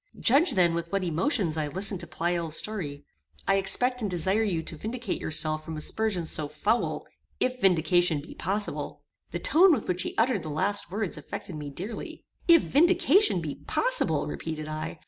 Judge then with what emotions I listened to Pleyel's story. I expect and desire you to vindicate yourself from aspersions so foul, if vindication be possible." The tone with which he uttered the last words affected me deeply. "If vindication be possible!" repeated I.